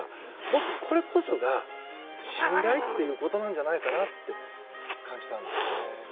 僕、これこそが信頼ということなんじゃないかなと感じたんですよね。